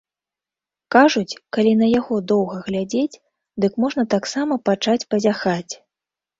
Кажуць, калі на яго доўга глядзець, дык можна таксама пачаць пазяхаць.